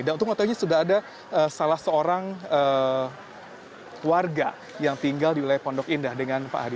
dan untuk mengatau ini sudah ada salah seorang warga yang tinggal di wilayah pondok indah dengan pak hadi